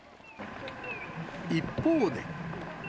一方で。